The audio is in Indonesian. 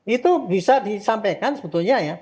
itu bisa disampaikan sebetulnya ya